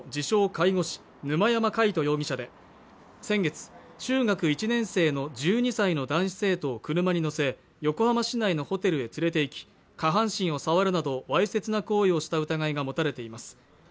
介護士・沼山凱人容疑者で先月中学１年生の１２歳の男子生徒を車に乗せ横浜市内のホテルへ連れて行き下半身を触るなどわいせつな行為をした疑いが持たれています